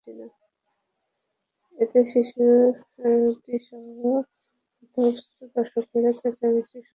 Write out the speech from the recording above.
এতে শিশুটিসহ হতভম্ব দর্শকেরা চেঁচামেচি শুরু করলে ইগলটি তাকে ফেলে পালায়।